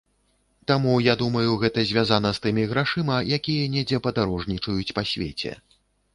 Таму, я думаю, гэта звязана з тымі грашыма, якія недзе падарожнічаюць па свеце.